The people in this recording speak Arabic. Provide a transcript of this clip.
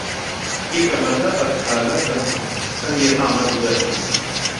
كيفما ساءت حالتها، فهي تعمل دائماً.